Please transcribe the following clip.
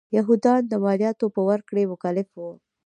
یهودیان د مالیاتو په ورکړې مکلف و.